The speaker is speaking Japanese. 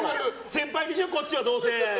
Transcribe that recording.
先輩でしょ、こっちはどうせ。